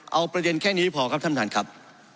เอาประเด็นแค่นี้ด้วยครับท่านครับ